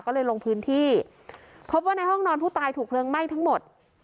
ก็เลยลงพื้นที่พบว่าในห้องนอนผู้ตายถูกเพลิงไหม้ทั้งหมด